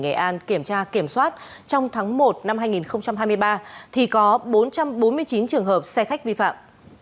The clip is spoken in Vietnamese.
nghệ an kiểm tra kiểm soát trong tháng một năm hai nghìn hai mươi ba thì có bốn trăm bốn mươi chín trường hợp xe khách vi phạm